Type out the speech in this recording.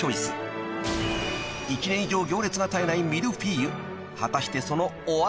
［１年以上行列が絶えないミルフィーユ］